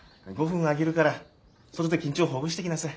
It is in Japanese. ５分あげるから外で緊張ほぐしてきなさい。